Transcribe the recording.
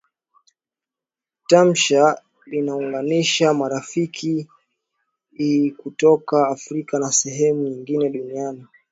Tamsha linaunganisha marafiki kutoka Afrika na sehemu nyingine dunianini